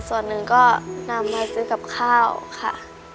ส่วนหนึ่งก็นำมาซื้อกับข้าวค่ะ